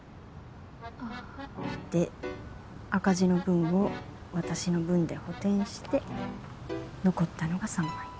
で赤字の分を私の分で補填して残ったのが３万円。